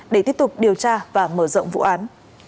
để tiếp tục điều tra và mở rộng vụ án